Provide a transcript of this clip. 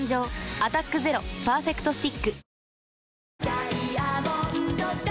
「アタックＺＥＲＯパーフェクトスティック」